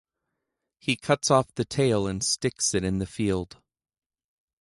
He cuts off the tail and sticks it in the field.